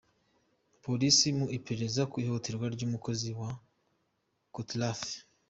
Polisi mu iperereza ku ihohoterwa ry’umukozi wa kotirafe